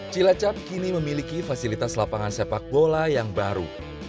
cilacap kini memiliki fasilitas lapangan sepak bola yang baru